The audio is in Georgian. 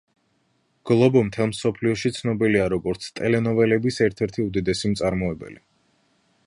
გლობო მთელ მსოფლიოში ცნობილია როგორც ტელენოველების ერთ-ერთი უდიდესი მწარმოებელი.